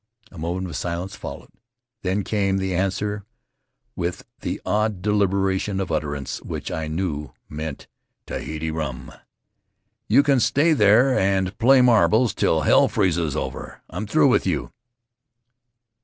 A moment of silence followed. Then came the answer with the odd deliberation of utterance which I knew meant Tahiti rum: "You can stay there and play marbles till hell freezes over! I'm through with you!"